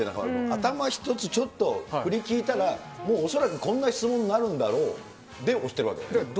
頭一つ、ちょっとふり聞いたら、もう恐らくこんな質問になるんだろうで押してるわけだからね。